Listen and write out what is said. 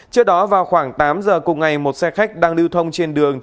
trước đó vào khoảng tám giờ cùng ngày một xe khách đang lưu thông trên đường